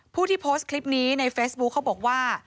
ผู้ที่โพสต์คลิปนี้ในเฟซบุ๊คเขาบอกว่า